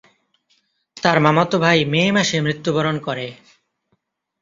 তার মামাতো ভাই মে মাসে মৃত্যুবরণ করে।